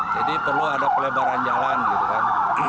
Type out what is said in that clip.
jadi perlu ada pelebaran jalan gitu kan